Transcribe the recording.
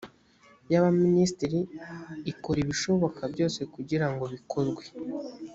y abaminisitiri ikora ibishoboka byose kugira ngo bikorwe